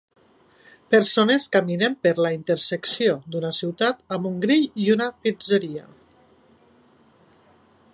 Persones caminen per la intersecció d'una ciutat amb un grill i una pizzeria.